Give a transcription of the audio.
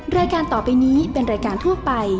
รายการต่อไปนี้เป็นรายการทั่วไป